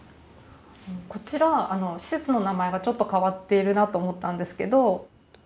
こちら施設の名前がちょっと変わっているなと思ったんですけど。